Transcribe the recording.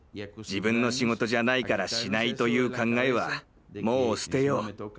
自分の仕事じゃないからしないという考えはもう捨てよう。